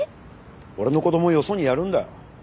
俺の子供をよそにやるんだ。